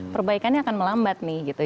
perbaikannya akan melambat nih gitu